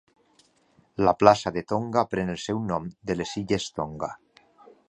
La placa de Tonga pren el seu nom de les Illes Tonga.